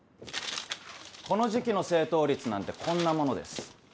この時期の正答率なんてこんなものです。